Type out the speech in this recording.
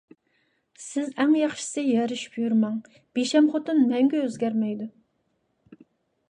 سىز ئەڭ ياخشىسى يارىشىپ يۈرمەڭ، بىشەم خوتۇن مەڭگۈ ئۆزگەرمەيدۇ.